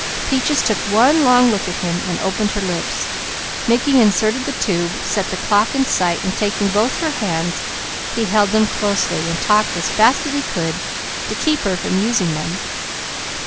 Peaches took one long look at him and opened her lips. Mickey inserted the tube, set the clock in sight, and taking both her hands he held them closely and talked as fast as he could to keep her from using them.